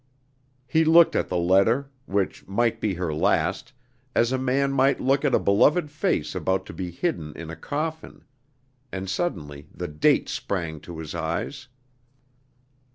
He looked at the letter which might be her last as a man might look at a beloved face about to be hidden in a coffin: and suddenly the date sprang to his eyes.